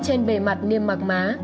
trên bề mặt niêm mạc má